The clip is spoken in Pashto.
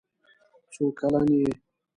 څو کلن یې.